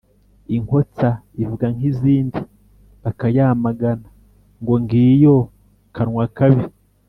Inkotsa ivuga nk’izindi bakayamagana (ngo ngiyo kanwa kabi).